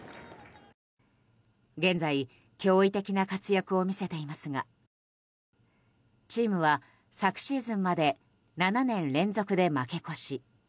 現在、驚異的な活躍を見せていますがチームは昨シーズンまで７年連続で負け越し。